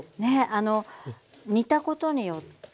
あの煮たことによって。